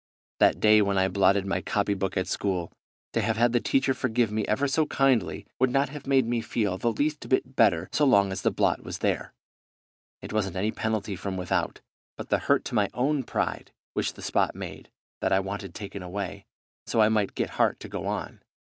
That day when I blotted my copybook at school, to have had the teacher forgive me ever so kindly would not have made me feel the least bit better so long as the blot was there. It wasn't any penalty from without, but the hurt to my own pride which the spot made, that I wanted taken away, so I might get heart to go on.